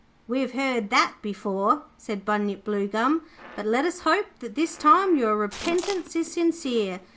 'We have heard that before,' said Bunyip Bluegum; 'but let us hope that this time your repentance is sincere.